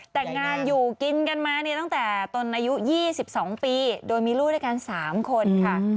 แต่งงานอยู่กินกันมาเนี่ยตั้งแต่ตนอายุ๒๒ปีโดยมีลูกด้วยกัน๓คนค่ะ